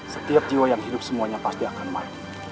setiap jiwa yang hidup semuanya pasti akan maju